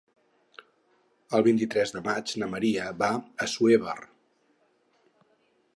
El vint-i-tres de maig na Maria va a Assuévar.